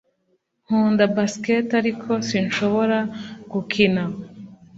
Nkunda basketball ariko sinshobora gukina